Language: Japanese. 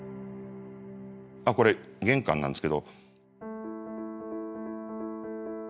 あっこれ玄関なんですけど。